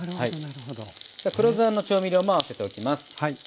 黒酢あんの調味料も合わせておきます。